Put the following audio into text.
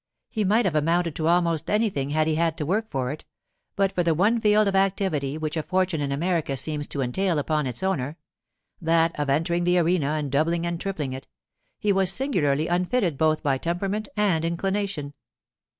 He might have amounted to almost anything had he had to work for it; but for the one field of activity which a fortune in America seems to entail upon its owner—that of entering the arena and doubling and tripling it—he was singularly unfitted both by temperament and inclination.